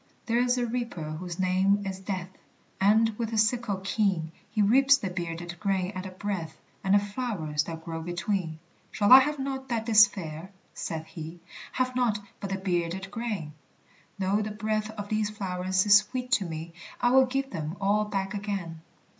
There is a Reaper whose name is Death, And, with his sickle keen, He reaps the bearded grain at a breath, And the flowers that grow between. "Shall I have naught that is fair?" saith he; "Have naught but the bearded grain? Though the breath of these flowers is sweet to me, I will give them all back again."